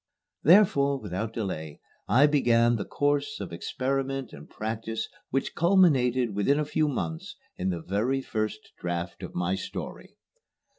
Therefore, without delay, I began the course of experiment and practice which culminated within a few months in the first draft of my story.